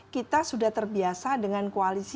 kita sudah terbiasa dengan koalisi